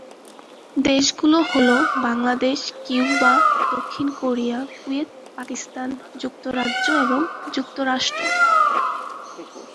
দেশগুলো হলো- Bangladesh, Cuba, Israel, দক্ষিণ কোরিয়া, কুয়েত, পাকিস্তান, যুক্তরাজ্য এবং যুক্তরাষ্ট্র।